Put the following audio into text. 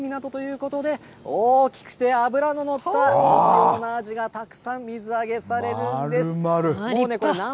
その漁場に近い港ということで大きくて脂ののったあじがたくさん水揚げされるんです。